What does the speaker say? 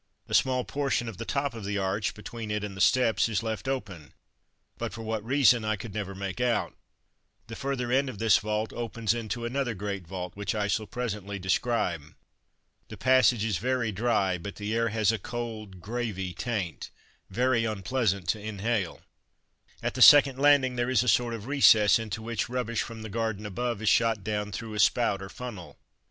A small portion of the top of the arch, between it and the steps, is left open, but for what reason I never could make out. The further end of this vault opens into another great vault, which I shall presently describe. The passage is very dry, but the air has a cold "gravey" taint, very unpleasant to inhale. At the second landing there is a sort of recess, into which rubbish from the garden above is shot down through a spout or funnel.